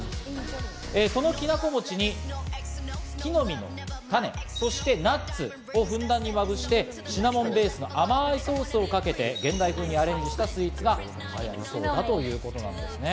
そのきなこ餅に木の実のたねやナッツをふんだんにまぶして、シナモンベースのあまいソースをかけて現代風にアレンジしたスイーツが流行りそうだということなんですね。